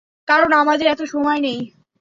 কারণ আমাদের এতো সময় নেই।